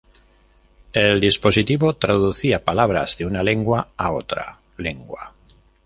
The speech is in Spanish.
El dispositivo traducía palabras de una lengua a otra lengua.